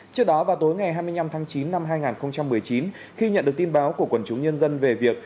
trước đó vào tối ngày hai mươi năm tháng chín năm hai nghìn một mươi chín khi nhận được tin báo của quần chúng nhân dân về việc